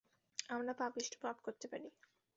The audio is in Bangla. আমরা পাপিষ্ঠ, পাপ করতে পারি।